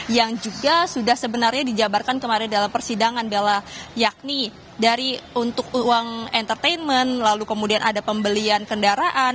yang juga sudah sebenarnya dijabarkan kemarin dalam persidangan bella yakni dari untuk uang entertainment lalu kemudian ada pembelian kendaraan